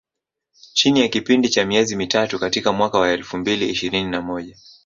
Chini ya kipindi cha miezi mitatu katika mwaka wa elfu mbili ishirini na moja